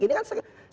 ini kan segelintir